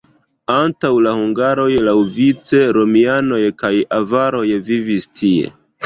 Antaŭ la hungaroj laŭvice romianoj kaj avaroj vivis tie.